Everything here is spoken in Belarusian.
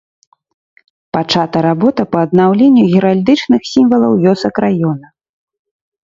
Пачата работа па аднаўленню геральдычных сімвалаў вёсак раёна.